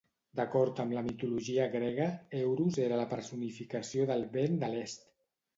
D'acord amb la mitologia grega, Euros era la personificació del vent de l'est.